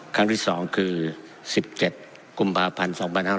ครั้งที่๒คือ๑๗กุมภาพันธ์๒๕๖๐